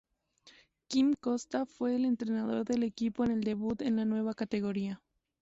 Quim Costa fue el entrenador del equipo en el debut en la nueva categoría.